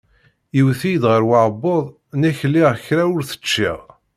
Iwet-iyi-d ɣer uɛebbuḍ, nekk lliɣ kra ur t-ččiɣ.